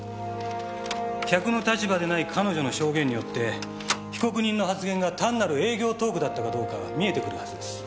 客の立場でない彼女の証言によって被告人の発言が単なる営業トークだったかどうか見えてくるはずです。